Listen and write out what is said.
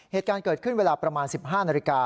เหตุการณ์เกิดขึ้นเวลาประมาณ๑๕นาฬิกา